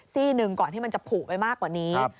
ซี่หนึ่งก่อนที่มันจะผูกไปมากกว่านี้